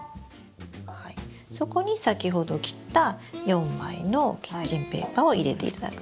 そこに先ほど切った４枚のキッチンペーパーを入れていただく。